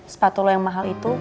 sepatu lo yang mahal itu